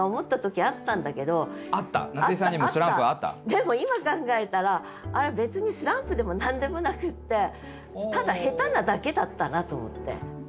でも今考えたらあれは別にスランプでも何でもなくってただ下手なだけだったなと思って。